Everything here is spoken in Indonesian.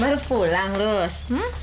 baru pulang luz